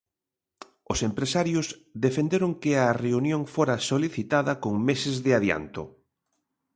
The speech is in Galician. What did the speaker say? Os empresarios defenderon que a reunión fora solicitada con meses de adianto.